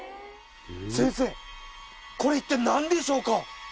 先生これいったい何でしょうか？